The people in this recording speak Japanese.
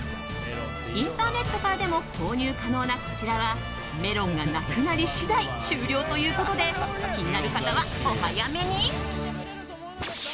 インターネットからでも購入可能なこちらはメロンがなくなり次第終了ということで気になる方は、お早めに。